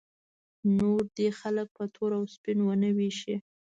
نور دې خلک په تور او سپین ونه ویشي.